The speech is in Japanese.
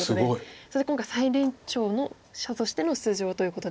そして今回最年長者としての出場ということで。